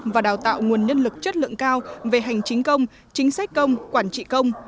và đào tạo nguồn nhân lực chất lượng cao về hành chính công chính sách công quản trị công